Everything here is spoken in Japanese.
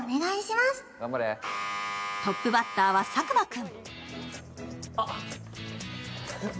トップバッターは佐久間君。